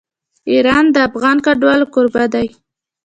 ایران د افغان کډوالو کوربه دی.